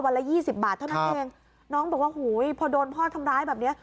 ละยี่สิบบาทเท่านั้นเองน้องบอกว่าหูยพอโดนพ่อทำร้ายแบบเนี้ย